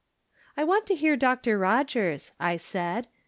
"I want to hear Dr. Rogers," I said.